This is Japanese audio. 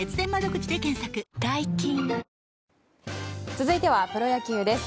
続いては、プロ野球です。